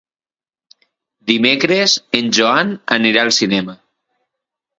Dimecres en Joan anirà al cinema.